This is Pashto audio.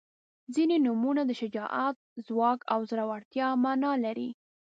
• ځینې نومونه د شجاعت، ځواک او زړورتیا معنا لري.